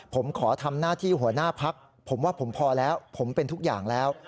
ผมขอทำหน้าที่หัวหน้าพักผมว่าผมพอแล้วผมเป็นทุกอย่างแล้ว